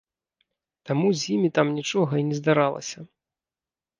Таму з імі там нічога і не здаралася.